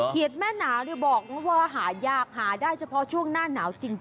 แม่หนาวบอกว่าหายากหาได้เฉพาะช่วงหน้าหนาวจริง